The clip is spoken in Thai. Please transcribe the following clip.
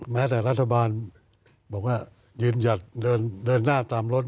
แม้แต่รัฐบาลบอกว่ายืนหยัดเดินหน้าตามรถ